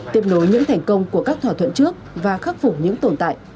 tiếp nối những thành công của các thỏa thuận trước và khắc phục những tồn tại